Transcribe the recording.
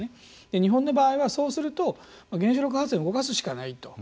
日本の場合はそうすると原子力発電を動かさないといけないと。